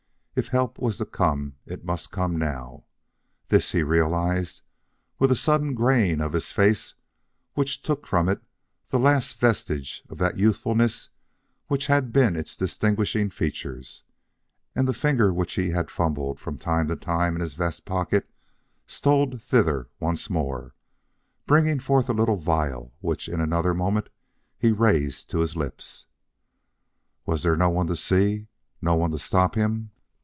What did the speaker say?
If help was to come it must come now. This he realized, with a sudden graying of his face which took from it the last vestige of that youthfulness which had been its distinguishing feature; and the finger which had fumbled from time to time in his vest pocket stole thither once more, bringing forth a little vial which in another moment he raised to his lips. Was there no one to see? No one to stop him?